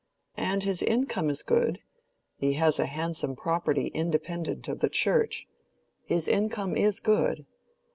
And his income is good—he has a handsome property independent of the Church—his income is good.